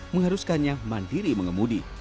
mengharuskannya mandiri mengemudi